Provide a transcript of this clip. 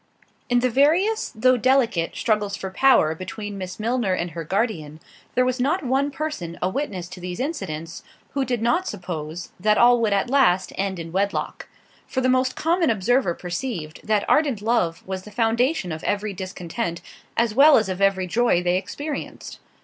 In the various, though delicate, struggles for power between Miss Milner and her guardian, there was not one person a witness to these incidents, who did not suppose, that all would at last end in wedlock—for the most common observer perceived, that ardent love was the foundation of every discontent, as well as of every joy they experienced.